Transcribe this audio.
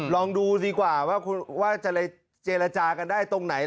ลองดูดีกว่าว่าจะเจรจากันได้ตรงไหน